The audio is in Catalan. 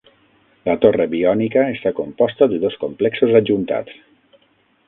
La Torre Biònica està composta de dos complexos ajuntats.